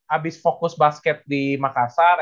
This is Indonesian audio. habis fokus basket di makassar